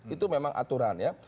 itu memang aturan ya